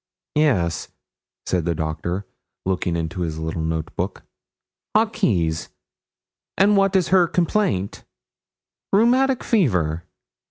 Yes,' said the doctor, looking into his little note book 'Hawkes.' 'And what is her complaint?' 'Rheumatic fever.'